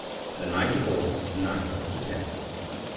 THE NIGHT OF AUGUST NINTH TO TENTH.